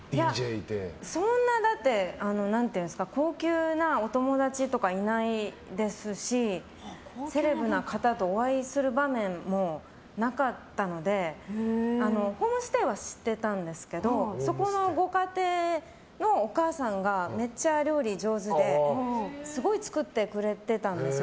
いや、そんなだって高級なお友達とかいないですしセレブな方とお会いする場面もなかったのでホームステイはしてたんですけどそこのご家庭のお母さんがめっちゃ料理上手ですごい作ってくれてたんですよ。